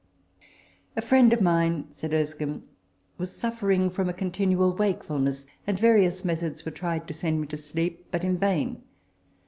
" A friend of mine," said Erskine, " was suffering from a continual wakefulness ; and various methods were tried to send him to sleep, but in vain.